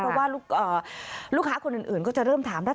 เพราะว่าลูกอ่าลูกค้าคนอื่นก็จะเริ่มถามว่า